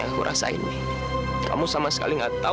apa ada yang sakit